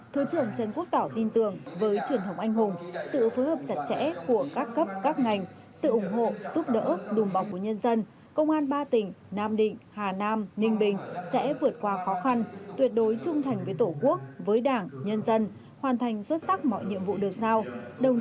thứ trưởng trần quốc tỏ tin tưởng với truyền thống anh hùng sự phối hợp chặt chẽ của các cấp các ngành sự ủng hộ giúp đỡ đùm bọc của nhân dân công an ba tỉnh nam định hà nam ninh bình sẽ vượt qua khó khăn tuyệt đối trung thành với tổ quốc với đảng nhân dân hoàn thành xuất sắc mọi nhiệm vụ được giao